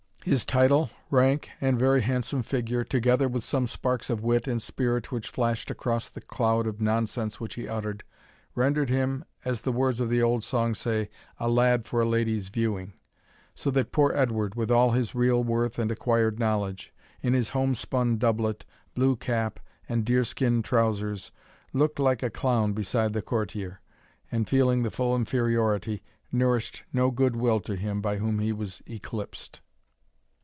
His title, rank, and very handsome figure, together with some sparks of wit and spirit which flashed across the cloud of nonsense which he uttered, rendered him, as the words of the old song say, "a lad for a lady's viewing;" so that poor Edward, with all his real worth and acquired knowledge, in his home spun doublet, blue cap, and deerskin trowsers, looked like a clown beside the courtier, and, feeling the full inferiority, nourished no good will to him by whom he was eclipsed.